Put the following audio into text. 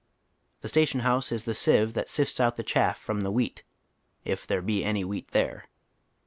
The station house is the sieve that sifts out the chaff from the wheat, if there be any wheat there.